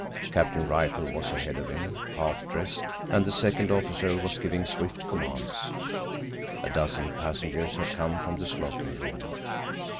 Captain Rifle was ahead of him, half dressed, and the second officer was giving swift commands. A dozen passengers had come from the smoking room.